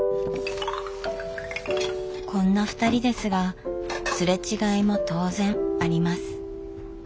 こんなふたりですが擦れ違いも当然あります。